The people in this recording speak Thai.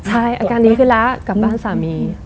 ใช่อาการดีขึ้นแล้วกลับบ้านสามี